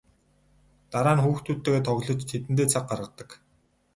Дараа нь хүүхдүүдтэйгээ тоглож тэдэндээ цаг гаргадаг.